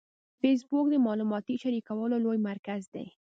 فېسبوک د معلوماتو د شریکولو لوی مرکز دی